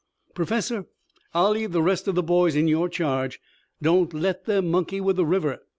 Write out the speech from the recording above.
"Professor, I'll leave the rest of the boys in your charge. Don't let them monkey with the river.